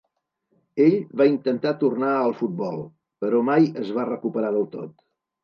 Ell va intentar tornar al futbol, però mai es va recuperar del tot.